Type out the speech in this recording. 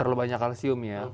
terlebih banyak kalsium ya